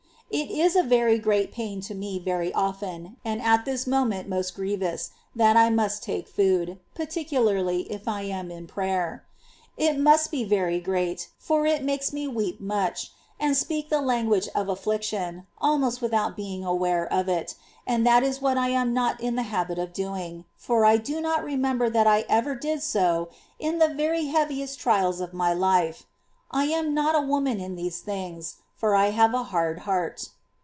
12. It is a very great pain to me very often, and at this moment most grievous, that I must take food, particularly if I am in prayer. It must be very great, for it makes me weep much, and speak the language of affliction, almost without being aware of it, and that is Vvhat I am not in I the habit of doing, for I do not remember that I ever did so in the very heaviest trials of my life : I am not a woman in these things, for I have a hard heart.